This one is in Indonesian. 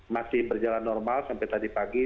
masih berjalan normal sampai tadi pagi